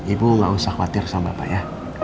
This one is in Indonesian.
ibu nggak usah khawatir sama bapak ya